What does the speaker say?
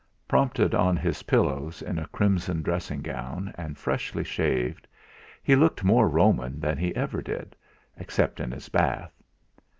Propped on his pillows in a crimson dressing gown, and freshly shaved, he looked more Roman than he ever did, except in his bath.